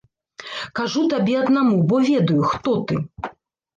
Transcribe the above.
Кажу табе аднаму, бо ведаю, хто ты.